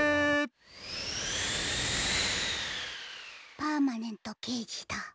パーマネントけいじだ。